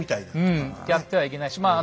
うんやってはいけないしまあ